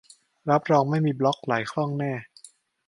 รับรองไม่มีบล็อค ไหลคล่องแน่